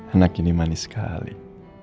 anak ini manis sekali